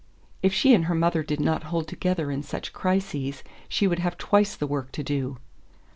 If she and her mother did not hold together in such crises she would have twice the work to do.